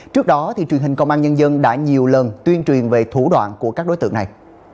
trước đó truyền hình công an nhân dân đã nhiều lần tuyên truyền về thủ đoạn của các đối tượng này